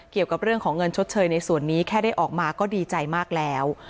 เกี่ยวกับเรื่องของเงินชดเชยในส่วนนี้แค่ได้ออกมาก็ดีใจมากแล้ว